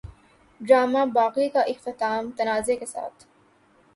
drama Baaghi کا اختتام تنازعے کے ساتھ